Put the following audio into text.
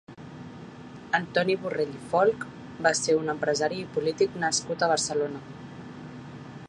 Antoni Borrell i Folch va ser un empresari i polític nascut a Barcelona.